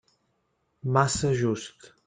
Massa just.